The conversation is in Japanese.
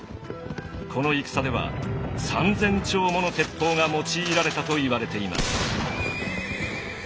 この戦では３，０００丁もの鉄砲が用いられたといわれています。